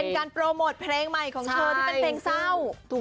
เป็นการโปรโมทเพลงใหม่ของเธอที่เป็นเพลงเศร้า